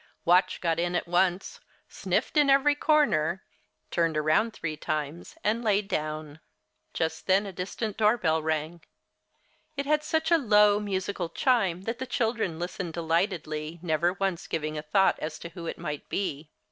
Watch got in at once, sniffed in every corner, turned around three times, and lay down. Just then a distant doorbell rang. It had such a low, musical chime that the children listened delightedly, never once giving a thought as to who it might be.